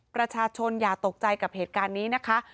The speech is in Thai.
ประชาชนอย่าตกใจกับเหตุการณ์นี้นะคะ